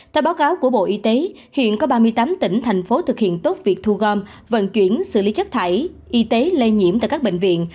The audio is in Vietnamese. theo báo cáo của bộ y tế hiện có ba mươi tám tỉnh thành phố thực hiện tốt việc thu gom vận chuyển xử lý chất thải y tế lây nhiễm tại các bệnh viện